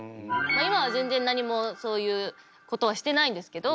今は全然何もそういうことはしてないんですけど。